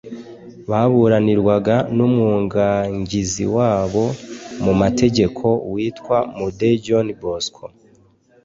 baburanirwaga n’umwugangizi wabo mu mategeko witwa Mudde John Bosco